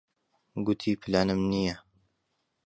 گوتی پلانم نییە.